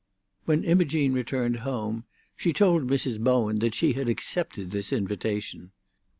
When Imogene returned home she told Mrs. Bowen that she had accepted this invitation.